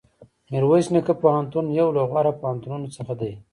میرویس نیکه پوهنتون یو له غوره پوهنتونونو څخه دی.